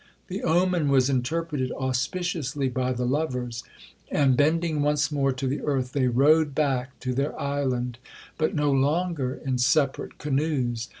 The omen was interpreted auspiciously by the lovers, and, bending once more to the earth, they rowed back to their island, but no longer in separate canoes.